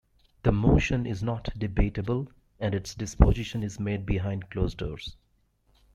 The motion is not debatable, and its disposition is made behind closed doors.